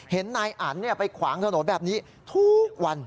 เห็นนายอันไปขวางถนนแบบนี้ทุกวัน